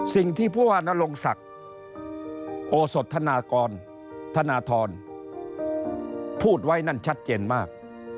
สิ่งที่ผู้ว่านรงศักดิ์โอสธนากรธนทรพูดไว้นั่นชัดเจนมาก